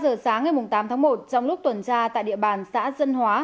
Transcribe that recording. ba giờ sáng ngày tám tháng một trong lúc tuần tra tại địa bàn xã dân hóa